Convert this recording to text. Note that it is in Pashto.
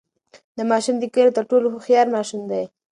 دا ماشوم د کلي تر ټولو هوښیار ماشوم دی.